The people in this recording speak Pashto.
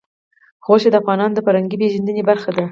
غوښې د افغانانو د فرهنګي پیژندنې برخه ده.